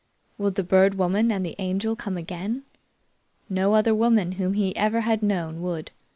Would the Bird Woman and the Angel come again? No other woman whom he ever had known would.